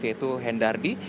yaitu hen dardi